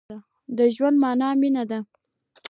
د ژوند مانا مينه ده.